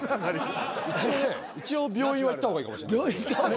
一応病院は行った方がいいかもしれない。